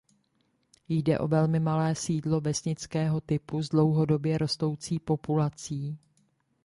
Jde o velmi malé sídlo vesnického typu s dlouhodobě rostoucí populací.